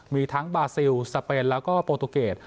มีทั้งบาซิลสเปนแล้วก็โปรตูเกต